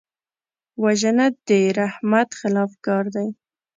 وژنه د رحمت خلاف کار دی